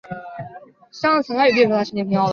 全镇面积。